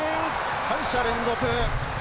三者連続。